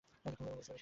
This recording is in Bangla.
বলেছিলাম সে বিশাল!